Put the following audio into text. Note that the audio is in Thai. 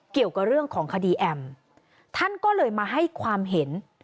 เกี่ยวกับเรื่องของคดีแอมท่านก็เลยมาให้ความเห็น